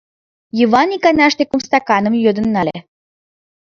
Йыван иканаште кум стаканым йодын нале.